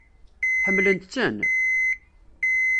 Ḥemmlent-ten?